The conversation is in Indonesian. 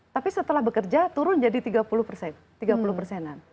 tapi setelah bekerja turun jadi tiga puluh persen tiga puluh persenan